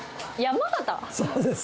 そうです。